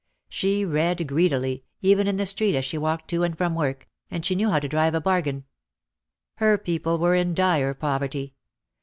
She read greedily, even in the street as she walked to and from work, and she knew how to drive a bar gain. Her people were in dire poverty.